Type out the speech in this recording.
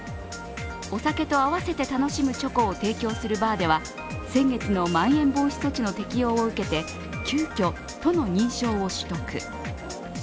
お酒と合わせて楽しむチョコを提供するバーでは先月のまん延防止措置の適用を受けて急きょ、都の認証を取得。